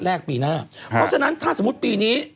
ปีหน้าเพราะฉะนั้นถ้าสมมุติปีนี้